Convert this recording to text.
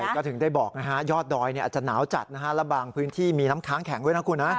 ก็ถึงได้บอกนะฮะยอดดอยอาจจะหนาวจัดนะฮะและบางพื้นที่มีน้ำค้างแข็งด้วยนะคุณนะ